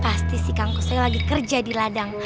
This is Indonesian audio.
pasti si kang kusoi lagi kerja di ladang